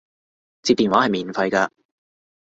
接電話係免費㗎